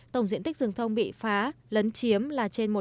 tổng diện tích rừng thông bị phá lấn chiếm là trên một trăm sáu mươi m hai